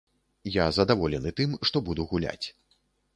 Я задаволены тым, што буду гуляць.